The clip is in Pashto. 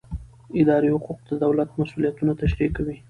اداري حقوق د دولت مسوولیتونه تشریح کوي.